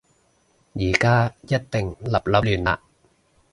而家一定立立亂啦